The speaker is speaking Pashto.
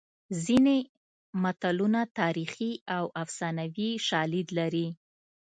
ځینې متلونه تاریخي او افسانوي شالید لري